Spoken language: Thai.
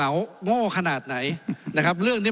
ไม่ได้เป็นประธานคณะกรุงตรี